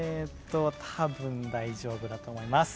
たぶん大丈夫だと思います。